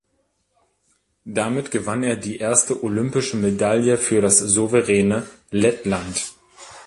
Damit gewann er die erste olympische Medaille für das souveräne Lettland.